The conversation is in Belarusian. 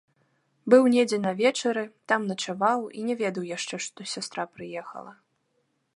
Быў недзе на вечары, там начаваў і не ведаў яшчэ, што сястра прыехала.